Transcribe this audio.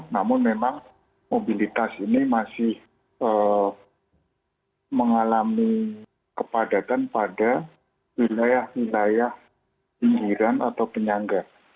namun memang mobilitas ini masih mengalami kepadatan pada wilayah wilayah pinggiran atau penyangga